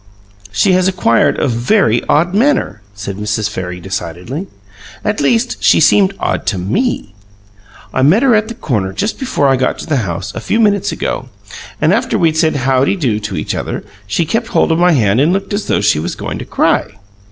"She has acquired a very odd manner," said Mrs. Farry decidedly. "At least, she seemed odd to ME. I met her at the corner just before I got to the house, a few minutes ago, and after we'd said howdy do to each other, she kept hold of my hand and looked as though she was going to cry.